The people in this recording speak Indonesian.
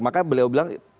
makanya beliau bilang